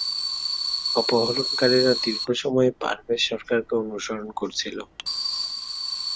অপহরণকারীরা দীর্ঘ সময় পারভেজ সরকারকে অনুসরণ করছিল।